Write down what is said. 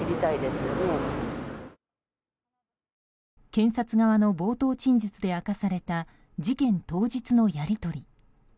検察側の冒頭陳述で明かされた事件当日のやり取り。